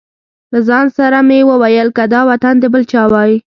له ځان سره مې وویل که دا وطن د بل چا وای.